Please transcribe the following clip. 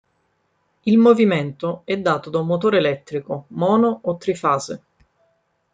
Il movimento è dato da un motore elettrico, mono o trifase.